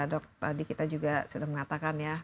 dok tadi kita juga sudah mengatakan ya